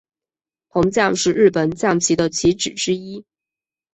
铜将是日本将棋的棋子之一。